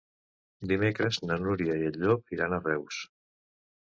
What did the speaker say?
Dimecres na Núria i en Llop iran a Reus.